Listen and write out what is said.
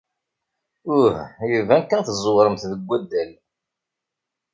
Uh, iban kan tẓewremt deg waddal.